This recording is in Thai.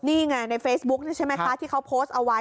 นี่ไงในเฟซบุ๊กนี่ใช่ไหมคะที่เขาโพสต์เอาไว้